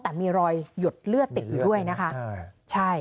แต่มีรอยหยดเลือดติดอยู่ด้วยนะคะใช่